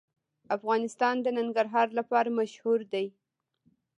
افغانستان د ننګرهار لپاره مشهور دی.